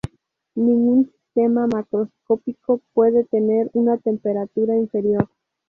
Ningún sistema macroscópico puede tener una temperatura inferior.